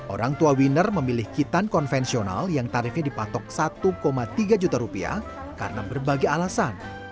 orang tua winner memilih hitan konvensional yang tarifnya dipatok satu tiga juta rupiah karena berbagai alasan